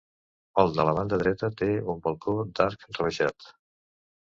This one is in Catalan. El de la banda dreta té un balcó d'arc rebaixat.